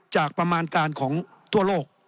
ประมาณการของทั่วโลก